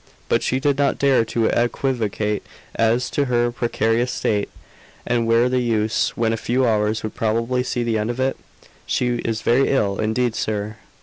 But she did not dare to equivocate as to her precarious state. And where the use, when a few hours would probably see the end of it? "She is very ill, indeed, sir."